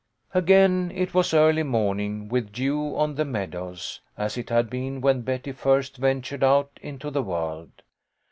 Again it was early morning, with dew on the meadows, as it had been when Betty first ventured out into the world.